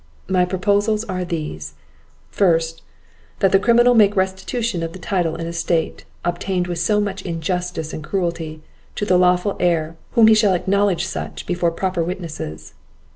My proposals are these: First, that the criminal make restitution of the title and estate, obtained with so much injustice and cruelty, to the lawful heir, whom he shall acknowledge such before proper witnesses.